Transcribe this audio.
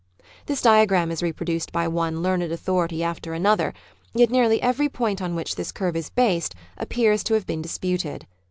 This diagram is reproduced by one learned authority after another, yet nearly every point on which this curve is based appears to have been dis puted.